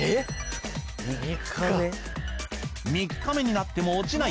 ３日目になっても落ちないホコリ。